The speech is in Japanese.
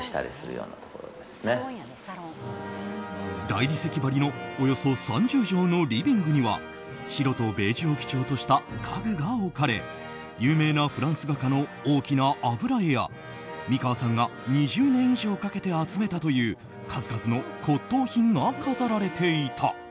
大理石張りのおよそ３０畳のリビングには白とベージュを基調とした家具が置かれ有名なフランス画家の大きな油絵や美川さんが２０年以上かけて集めたという数々の骨董品が飾られていた。